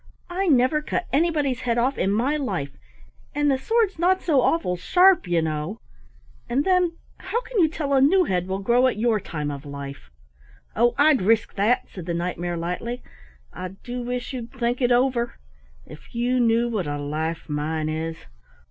I never cut anybody's head off in my life, and the sword's not so awful sharp, you know, and then how can you tell a new head will grow at your time of life?" "Oh, I'd risk that," said the Knight mare lightly. "I do wish you'd think it over. If you knew what a life mine is!